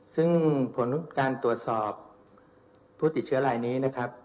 ซึ่งผลการตรวจสอบผู้ติดเชื้อรายนี้นะครับ